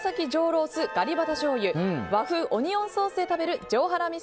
ロースガリバタ醤油和風オニオンソースで食べる上ハラミ